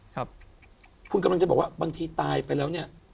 คุณกำลังจะบอกว่าบางทีตายไปแล้ว